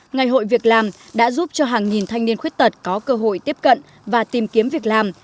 ngày hội việc làm đã giúp cho hàng nghìn thanh niên khuyết tật có cơ hội tiếp cận và tìm kiếm việc làm